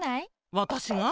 わたしが？